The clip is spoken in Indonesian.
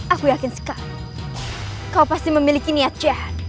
aku yakin sekali kau pasti memiliki niat jahat